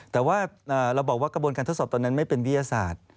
แต่ว่าเราบอกว่ากระบวนการทดสอบตอนนั้นไม่เป็นวิทยาศาสตร์